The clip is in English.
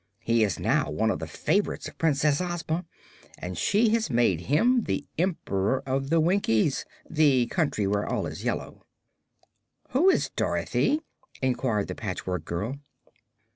He is now one of the favorites of Princess Ozma, and she has made him the Emperor of the Winkies the Country where all is yellow." "Who is Dorothy?" inquired the Patchwork Girl.